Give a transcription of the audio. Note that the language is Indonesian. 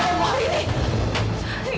ya allah rini